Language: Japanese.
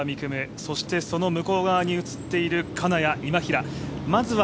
そしてその向こう側に映っている金谷、今平。